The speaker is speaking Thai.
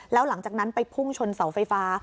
แล้วหลังจากนั้นไปพุ่งชนเสาไฟฟ้า